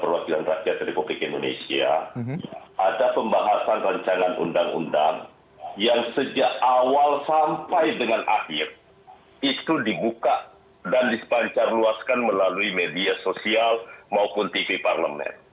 pertama kalinya dalam sejarah dewan perwakilan rakyat republik indonesia ada pembahasan rencana undang undang yang sejak awal sampai dengan akhir itu dibuka dan disepancarluaskan melalui media sosial maupun tv parlemen